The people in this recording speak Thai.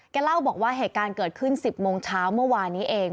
เล่าบอกว่าเหตุการณ์เกิดขึ้น๑๐โมงเช้าเมื่อวานนี้เอง